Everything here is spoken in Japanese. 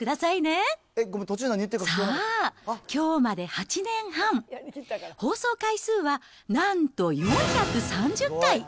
えっ、ごめん、さあ、きょうまで８年半、放送回数はなんと４３０回。